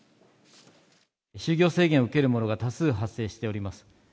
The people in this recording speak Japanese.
就業制限を受ける者が多数発生しております。